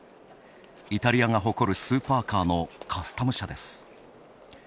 イタリアが誇るスーパーカーのカスタム車です。